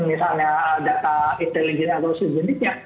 misalnya data intelijen atau sejenisnya